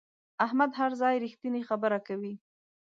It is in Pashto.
احمد هر ځای رښتینې خبره کوي.